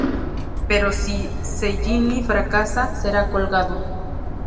Pero si Cellini fracasa, será colgado.